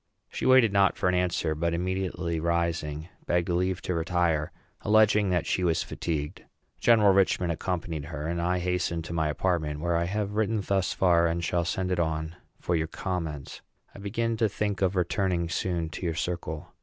She waited not for an answer, but, immediately rising, begged leave to retire, alleging that she was fatigued. General Richman accompanied her, and I hastened to my apartment, where I have written thus far, and shall send it on for your comments. I begin to think of returning soon to your circle.